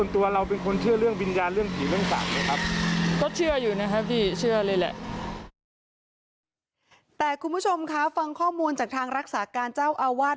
แต่คุณผู้ชมคะฟังข้อมูลจากทางรักษาการเจ้าอาวาส